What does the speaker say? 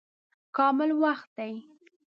کامل وخت دی.